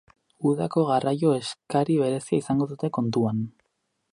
Udako garraio eskari berezia izango dute kontuan.